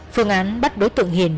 phương án bắt đối tượng hiền